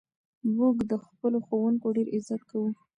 موږ د خپلو ښوونکو ډېر عزت کوو.